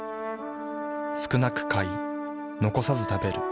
少なく買い残さず食べる。